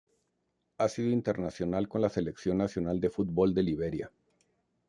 Ha sido internacional con la selección nacional de fútbol de Liberia.